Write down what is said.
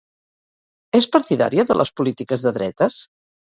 És partidària de les polítiques de dretes?